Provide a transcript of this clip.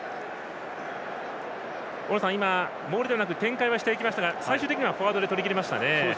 大野さん、モールではなく展開していきましたが最終的にはフォワードで取りきりましたね。